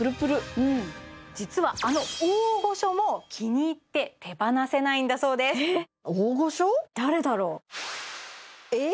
実はあの大御所も気に入って手放せないんだそうですえっ